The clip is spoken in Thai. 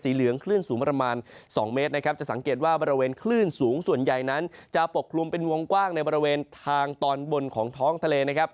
เหลืองคลื่นสูงประมาณ๒เมตรนะครับจะสังเกตว่าบริเวณคลื่นสูงส่วนใหญ่นั้นจะปกคลุมเป็นวงกว้างในบริเวณทางตอนบนของท้องทะเลนะครับ